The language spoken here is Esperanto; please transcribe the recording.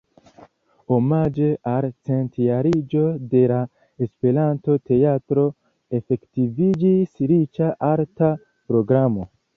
Omaĝe al centjariĝo de la Esperanto-teatro efektiviĝis riĉa arta programo.